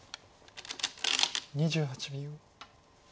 ２８秒。